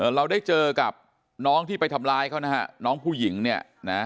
เราได้เจอกับน้องที่ไปทำร้ายเขานะฮะน้องผู้หญิงเนี่ยนะ